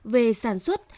về sản xuất